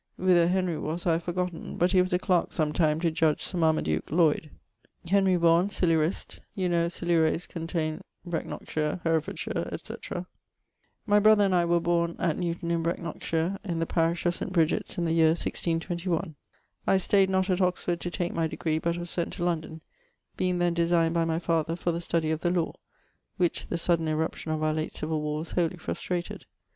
Whither Henry was I have forgotten; but he was a clarke sometime to Judge Sir Marmaduke Lloyd. Henry Vaughan, 'Silurist': you know Silures contayned Breconockshire, Herefordshire, etc. My brother and I were borne att Newton, in Brecknockshire, in the parish of St. Briget's, in the year 1621. I stayed not att Oxford to take my degree, but was sent to London, beinge then designed by my father for the study of the law, which the sudden eruption of our late civil warres wholie frustrated.